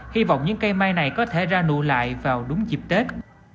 hy vọng những cây mai này có thể ra nụ lại vào đúng dịp tết